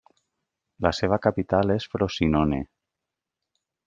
La seva capital és Frosinone.